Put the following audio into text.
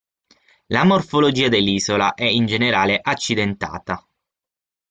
La morfologia dell'isola è in generale accidentata.